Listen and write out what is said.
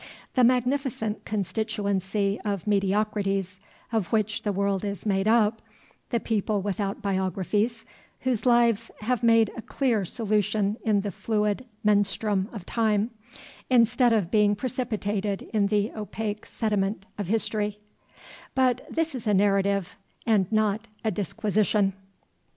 The magnificent constituency of mediocrities of which the world is made up, the people without biographies, whose lives have made a clear solution in the fluid menstruum of time, instead of being precipitated in the opaque sediment of history But this is a narrative, and not a disquisition.